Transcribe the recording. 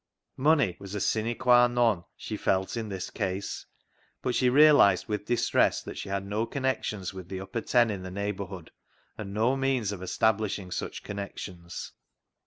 Money was a sine qua non she felt in this case, but she realised with dis tress that she had no connections with the upper ten in the neighbourhood, and no means of establishing such connections.